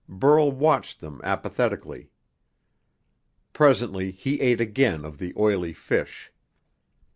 Burl watched them apathetically. Presently, he ate again of the oily fish.